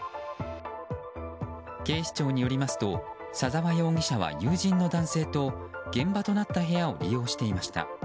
警視庁によりますと左沢容疑者は友人の男性と現場となった部屋を利用していました。